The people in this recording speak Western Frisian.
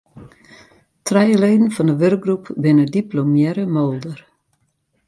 Trije leden fan de wurkgroep binne diplomearre moolder.